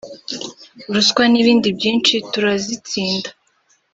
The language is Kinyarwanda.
ruswa n’ibindi byinshi turazitsinda